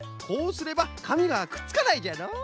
こうすればかみがくっつかないじゃろ？